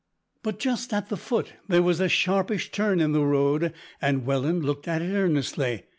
But just at the foot there was a sharpish turn in the road, and Welland looked at it earnestly.